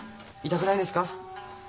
痛くないですか。